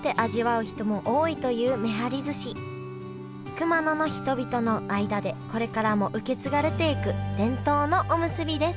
熊野の人々の間でこれからも受け継がれていく伝統のおむすびです